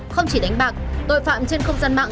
không chỉ đánh bạc tội phạm trên không gian mạng